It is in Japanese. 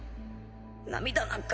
涙なんか。